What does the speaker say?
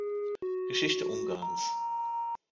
Geschichte Ungarns